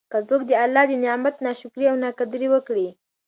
که څوک د الله د نعمت نا شکري او نا قدري وکړي